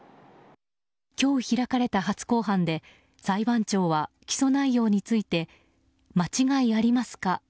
今日開かれた初公判で裁判長は起訴内容について間違いありますか？